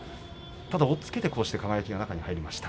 ただ押っつけて輝が中に入りました。